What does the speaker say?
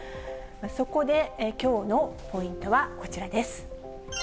そこで、きょうのポイントはこちらです。